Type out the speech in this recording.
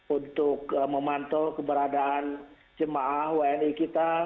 untuk memantau keberadaan jemaah wni kita